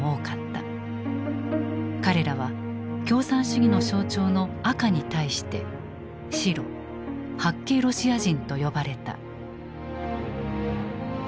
彼らは共産主義の象徴の「赤」に対して「白」「白系ロシア人」と呼ばれた。